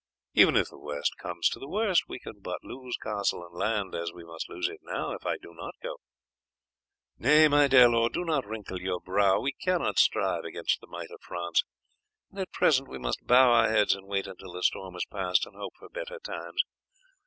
Even if the worst comes to the worst we can but lose castle and land, as we must lose it now if I do not go. Nay, my dear lord, do not wrinkle your brow, we cannot strive against the might of France; and at present we must bow our heads and wait until the storm has passed, and hope for better times.